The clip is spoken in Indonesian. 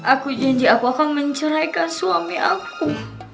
aku janji aku akan menceraikan suami aku